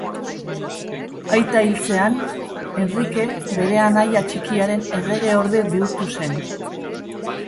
Aita hiltzean Henrike bere anaia txikiaren erregeorde bihurtu zen.